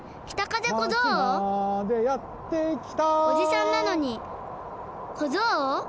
おじさんなのに小僧？